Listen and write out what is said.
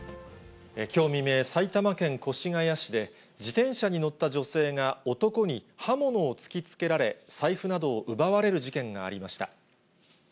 きょう未明、埼玉県越谷市で、自転車に乗った女性が男に刃物を突きつけられ、財布などを奪われる事件がありました。